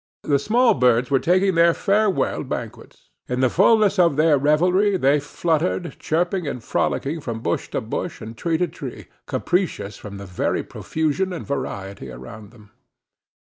The small birds were taking their farewell banquets. In the fullness of their revelry, they fluttered, chirping and frolicking from bush to bush, and tree to tree, capricious from the very profusion and variety around them.